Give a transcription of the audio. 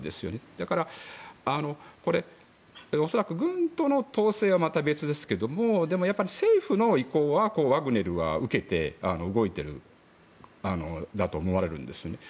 それから、恐らく軍との統制はまた別ですけどもやっぱり政府の意向をワグネルは受けて動いていると思われるんですね。